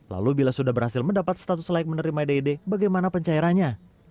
lalu bila sudah berhasil mendapat status layak menerima ded bagaimana pencairannya